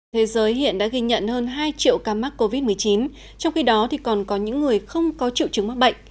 thế giới hiện đã ghi nhận hơn hai triệu ca mắc covid một mươi chín trong khi đó còn có những người không có triệu chứng mắc bệnh